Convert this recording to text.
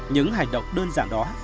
những hành động đơn giản đó